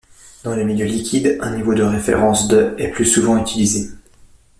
Dans le milieu liquide, un niveau de référence de est plus souvent utilisé.